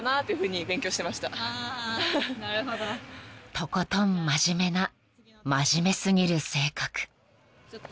［とことん真面目な真面目過ぎる性格］